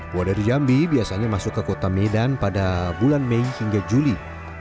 buah dari jambi biasanya masuk ke kota medan pada bulan mei hingga juli